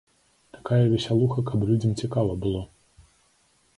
Такая весялуха, каб людзям цікава было.